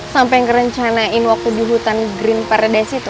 sampai ngerencanain waktu di hutan green paradise itu